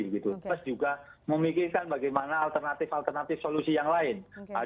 plus juga memikirkan bagaimana alternatif alternatif solusi yang lain